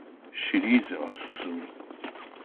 シリーズが進む